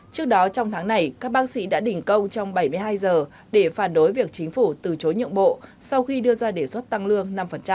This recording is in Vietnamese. trước đó trong tháng này các bác sĩ đã đình công trong bảy mươi hai giờ để phản đối việc chính phủ từ chối nhượng bộ sau khi đưa ra đề xuất tăng lương năm